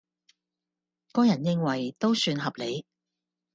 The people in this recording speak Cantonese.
個人認為都算合理